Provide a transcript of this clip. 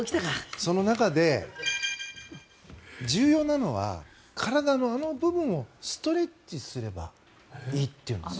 その中で重要なのは体のあの部分をストレッチすればいいというんです。